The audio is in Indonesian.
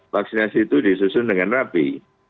vaksinasi itu disusun dengan rapi